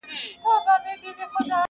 د وروستي عدالت کور د هغه ځای دئ!!